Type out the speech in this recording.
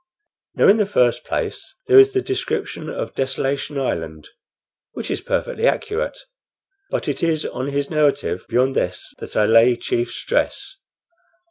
Now, in the first place, there is the description of Desolation Island, which is perfectly accurate. But it is on his narrative beyond this that I lay chief stress.